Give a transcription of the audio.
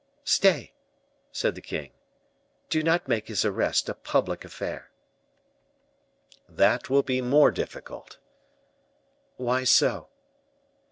"Stay," said the king; "do not make his arrest a public affair." "That will be more difficult." "Why so?"